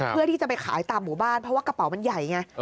เพื่อที่จะไปขายตามหมู่บ้านเพราะว่ากระเป๋ามันใหญ่ไง